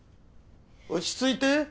落ち着いて。